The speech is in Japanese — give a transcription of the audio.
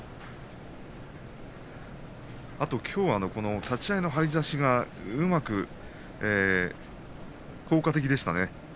あと、きょうは立ち合いの張り差しが効果的でしたね。